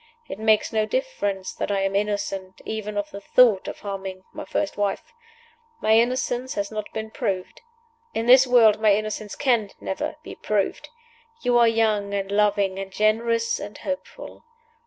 It makes no difference that I am innocent even of the thought of harming my first wife. My innocence has not been proved. In this world my innocence can never be proved. You are young and loving, and generous and hopeful.